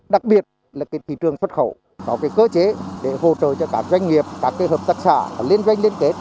đặc biệt là thị trường xuất khẩu có cơ chế để hỗ trợ cho các doanh nghiệp các hợp tác xã liên doanh liên kết